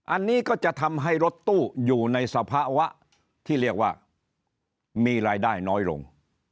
อันนี้ก็จะทำให้รถตู้อยู่ในสภาวะที่เรียกว่ามีรายได้น้อยลง